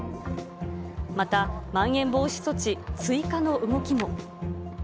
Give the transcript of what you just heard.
またまん延防止措置、追加の動きも。